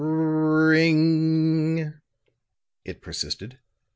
"R r r r ring g!" it persisted.